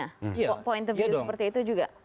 tidak ada poin terbuka seperti itu juga